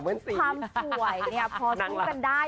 พอคุณยกคุณสวยพอที่คุ้มกันได้